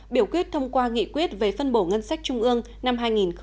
biểu quyết thông qua nghị quyết về phân bổ ngân sách trung ương năm hai nghìn hai mươi